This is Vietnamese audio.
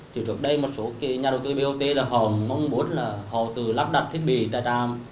thì trước đây một số nhà đầu tư bot là họ mong muốn là họ tự lắp đặt thiết bị tại trạm